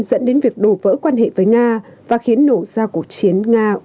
dẫn đến việc đổ vỡ quan hệ với nga và khiến nổ ra cuộc chiến nga